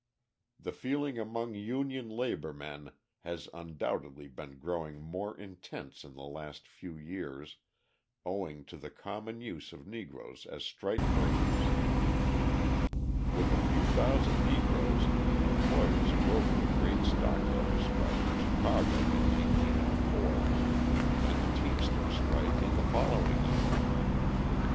The feeling among union labour men has undoubtedly been growing more intense in the last few years owing to the common use of Negroes as strike breakers. With a few thousand Negroes the employers broke the great stockyards strike in Chicago in 1904, and the teamsters' strike in the following year.